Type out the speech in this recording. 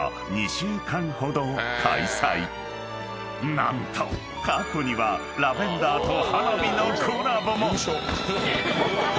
［何と過去にはラベンダーと花火のコラボも］